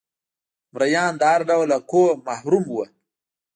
مریان له هر ډول حقونو محروم وو